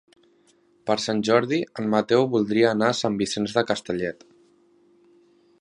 Per Sant Jordi en Mateu voldria anar a Sant Vicenç de Castellet.